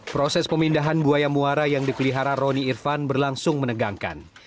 proses pemindahan buaya muara yang dipelihara rony irfan berlangsung menegangkan